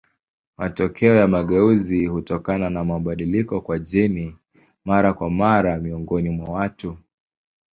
Matokeo ya mageuzi hutokana na mabadiliko kwa jeni mara kwa mara miongoni mwa watu.